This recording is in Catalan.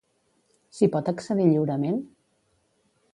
S'hi pot accedir lliurement?